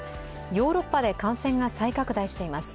ヨーロッパで感染が再拡大しています。